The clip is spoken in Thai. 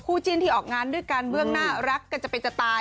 จิ้นที่ออกงานด้วยกันเบื้องน่ารักกันจะเป็นจะตาย